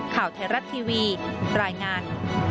ข่าวไทยรัฐทีวีรายงาน